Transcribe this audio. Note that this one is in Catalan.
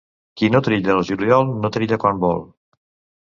Qui no trilla al juliol, no trilla quan vol.